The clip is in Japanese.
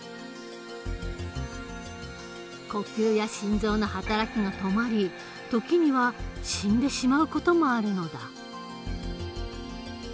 呼吸や心臓の働きが止まり時には死んでしまう事もあるのだ。